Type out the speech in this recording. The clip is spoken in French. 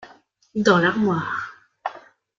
Dans l’armoire.